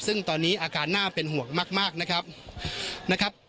ซึ่งตอนนี้อาการน่าเป็นห่วงมากนะครับ